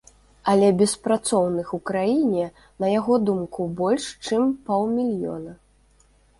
Але беспрацоўных у краіне, на яго думку, больш, чым паўмільёна.